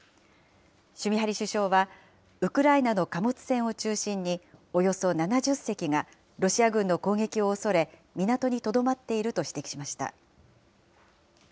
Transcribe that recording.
シュミハリ首相はウクライナの貨物船を中心に、およそ７０隻が、ロシア軍の攻撃を恐れ、港にとどまっていると指摘しました。